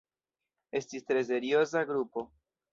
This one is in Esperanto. Estis tre serioza grupo.